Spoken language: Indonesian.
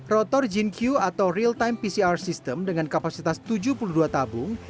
rotor gene q atau real time pcr system dengan kapasitas tujuh puluh dua tabung